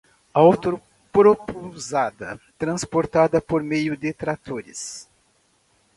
Autopropulsada, transportada por meio de tratores